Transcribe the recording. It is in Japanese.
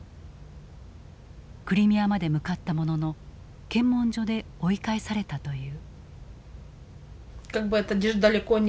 クリミアまで向かったものの検問所で追い返されたという。